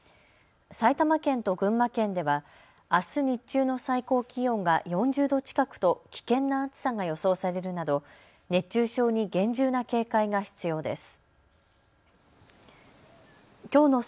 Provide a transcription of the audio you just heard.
埼玉県と群馬県ではあす日中の最高気温が４０度近くと危険な暑さが予想されるなど熱中症に厳重な警戒が必要です。